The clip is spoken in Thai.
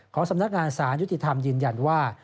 สำนักงานสารยุติธรรมยืนยันว่า